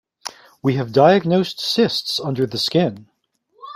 We have diagnosed cysts under the skin.